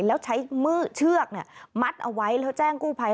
แล้วใช้มือเชือกมัดเอาไว้แล้วแจ้งกู้ภัย